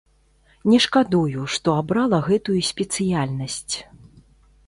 Не шкадую, што абрала гэтую спецыяльнасць.